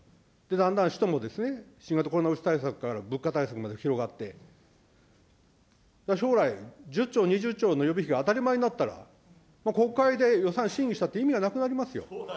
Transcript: だんだん使途も新型コロナ対策から物価対策まで広がって、将来、１０兆、２０兆の予備費が当たり前になったら、国会で予算審議したって意味がなくなりますよ。